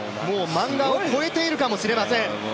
漫画を超えているかもしれません。